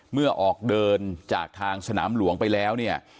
เมื่อออกเดินจากทางสนามหลวงไปแล้วเนี่ย